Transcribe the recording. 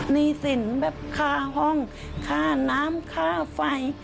หนี้สินแบบค่าห้องค่าน้ำค่าไฟ